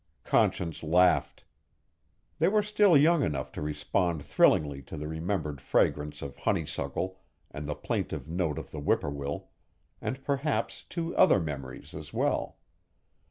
Conscience laughed. They were still young enough to respond thrillingly to the remembered fragrance of honeysuckle and the plaintive note of the whippoorwill, and perhaps to other memories, as well.